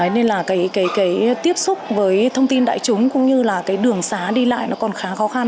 nên là cái tiếp xúc với thông tin đại chúng cũng như là cái đường xá đi lại nó còn khá khó khăn